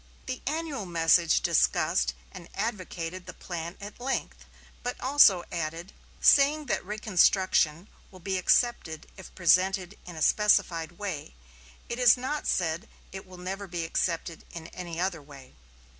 The annual message discussed and advocated the plan at length, but also added: "Saying that reconstruction will be accepted if presented in a specified way, it is not said it will never be accepted in any other way."